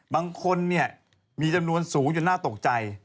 บางคนเนี่ยมีจำนวนสูงจนน่าตกใจ